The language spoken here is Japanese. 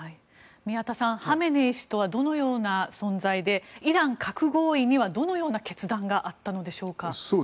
宮田さん、ハメネイ師とはどんな存在で、イラン核合意にはどのような決断があったのでしょうか。